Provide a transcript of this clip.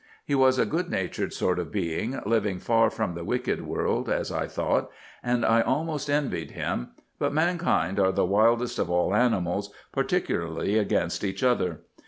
He was a good natured sort of being, living far from the wicked world, as I thought, and I almost envied him ; but mankind are the wildest of all animals, particularly against each other.